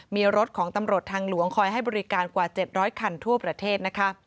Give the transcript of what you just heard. มีรถของตำรวจทางหลวงคอยให้บริการกว่าเจ็บร้อยคันทั่วประเทศ